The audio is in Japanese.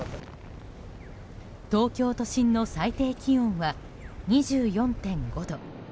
東京都心の最低気温は２４．５度。